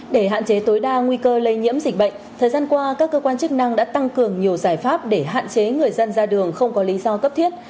để hạn chế tối đa nguy cơ lây nhiễm dịch bệnh thời gian qua các cơ quan chức năng đã tăng cường nhiều giải pháp để hạn chế người dân ra đường không có lý do cấp thiết